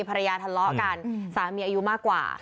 ภรรยาทะเลาะกันสามีอายุมากกว่า